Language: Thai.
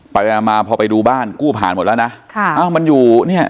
ไปไปมามาพอไปดูบ้านกู้ผ่านหมดแล้วนะค่ะอ้าวมันอยู่เนี่ย